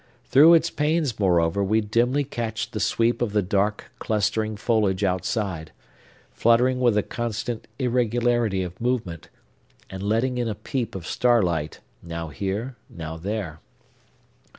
Through its panes, moreover, we dimly catch the sweep of the dark, clustering foliage outside, fluttering with a constant irregularity of movement, and letting in a peep of starlight, now here, now there.